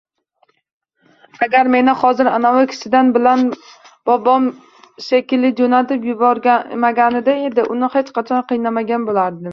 Agar meni hozir anavi kishi bilanbobom shekillijoʻnatib yubormaganida edi, uni hech qachon qiynamagan boʻlardim